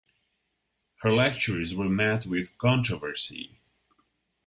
Her lectures were met with controversy.